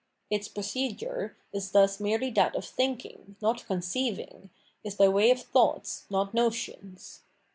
Its procedure is thus merely that of thinking, not coneeivi/ng, is by way of thoughts not notions.